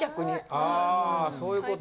あそういうこと。